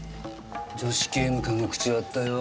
女子刑務官が口を割ったよ。